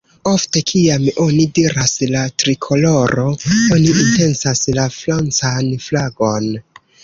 Ofte kiam oni diras "la trikoloro", oni intencas la francan flagon.